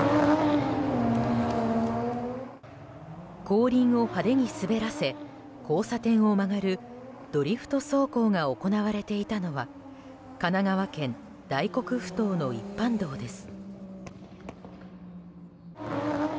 後輪を派手に滑らせ交差点を曲がるドリフト走行が行われていたのは神奈川県大黒ふ頭の一般道です。